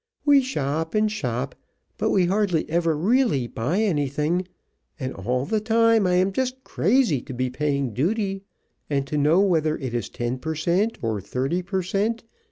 We shop and shop, but we hardly ever really buy anything, and all the time I am just crazy to be paying duty, and to know whether it is ten per cent. or thirty per cent.